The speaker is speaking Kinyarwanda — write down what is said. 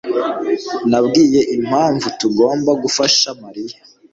Nabwiye impamvu tugomba gufasha Mariya.